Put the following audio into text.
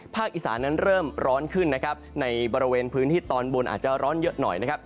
อีสานั้นเริ่มร้อนขึ้นนะครับในบริเวณพื้นที่ตอนบนอาจจะร้อนเยอะหน่อยนะครับ